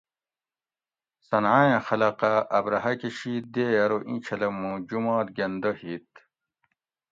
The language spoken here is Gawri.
صنعائیں خلقہ ابرھہ کہ شِید دیئے ارو اینچھلہ مُو جمات گۤندہ ہِیت